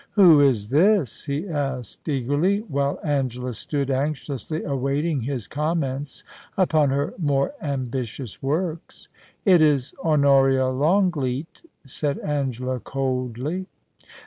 'Who is this?* he asked eagerly, while Angela stood anxiously awaiting his comments upon her more ambitious works ' It is Honoria Longleat !' said Angela, coldly.